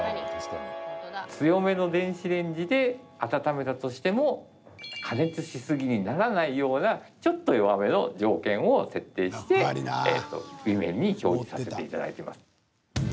強めの電子レンジで温めたとしても加熱しすぎにならないようなちょっと弱めの条件を設定して裏面に表示させていただいています。